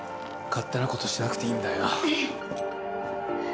勝手なことしなくていいんだよ。